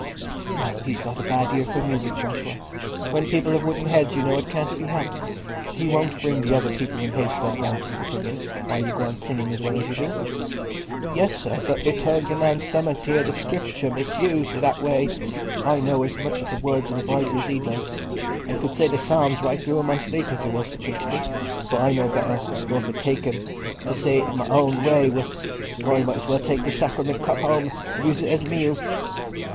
"Well, he's got a bad ear for music, Joshua. When people have wooden heads, you know, it can't be helped. He won't bring the other people in Hayslope round to his opinion, while you go on singing as well as you do." "Yes, sir, but it turns a man's stomach t' hear the Scripture misused i' that way. I know as much o' the words o' the Bible as he does, an' could say the Psalms right through i' my sleep if you was to pinch me; but I know better nor to take 'em to say my own say wi'. I might as well take the Sacriment cup home and use it at meals."